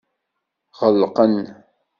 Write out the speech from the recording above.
Ɣelqen.